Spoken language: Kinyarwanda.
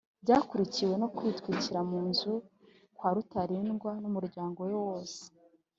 Byakurikiwe no kwitwikira mu nzu kwa Rutarindwa n’umuryango we wose